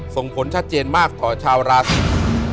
ส่งผลชัดเจนมากต่อชาวราศี